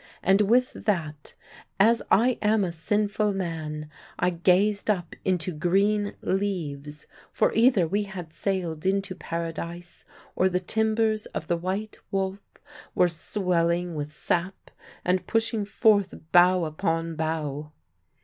And with that, as I am a sinful man, I gazed up into green leaves; for either we had sailed into Paradise or the timbers of the White Wolf were swelling with sap and pushing forth bough upon bough.